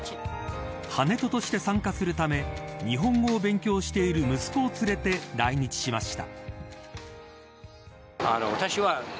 ハネトとして参加するため日本語を勉強している息子を連れて来日しました。